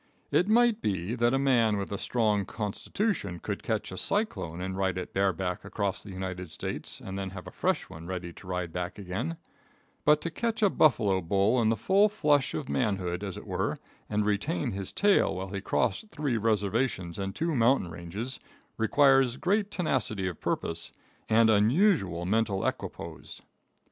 It might be, that a man with a strong constitution could catch a cyclone and ride it bareback across the United States and then have a fresh one ready to ride back again, but to catch a buffalo bull in the full flush of manhood, as it were, and retain his tail while he crossed three reservations and two mountain ranges, requires great tenacity of purpose and unusual mental equipoise.